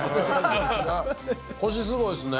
こし、すごいですね。